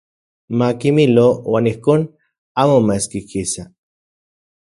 Makimilo uan ijkon amo maeskijkisa.